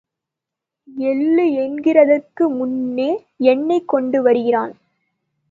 எள்ளூ என்கிறதற்கு முன்னே எண்ணெய் கொண்டு வருகிறான்.